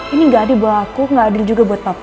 ini gak adil buat aku gak adil juga buat bapak